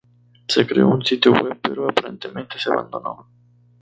Se creó un sitio web, pero aparentemente se abandonó.